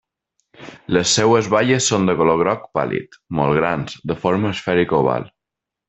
Les seues baies són de color groc pàl·lid, molt grans, de forma esfèrica oval.